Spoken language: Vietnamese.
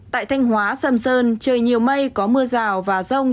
tại thanh hóa sầm sơn trời nhiều mây có mưa rào và rông